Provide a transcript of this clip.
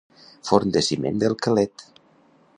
Forn de ciment del Quelet.